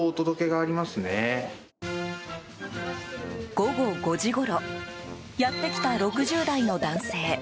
午後５時ごろやってきた６０代の男性。